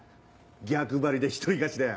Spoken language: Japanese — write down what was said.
逆張りで独り勝ちだよ。